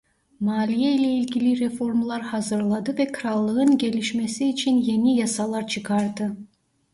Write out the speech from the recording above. Maliye ile ilgili reformlar hazırladı ve krallığın gelişmesi için yeni yasalar çıkardı.